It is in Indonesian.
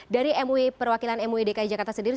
dari perwakilan mui dki jakarta sendiri